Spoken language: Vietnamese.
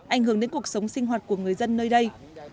ảnh hưởng đến cuộc sống sinh hoạt của người dân nơi đây